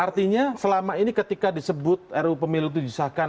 artinya selama ini ketika disebut ruu pemilu itu disahkan